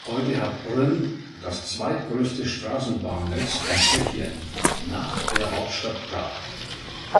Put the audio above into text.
Heute hat Brünn das zweitgrößte Straßenbahnnetz von Tschechien, nach der Hauptstadt Prag.